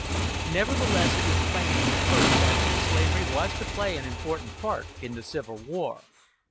Nevertheless it was plain from the first that slavery was to play an important part in the Civil War.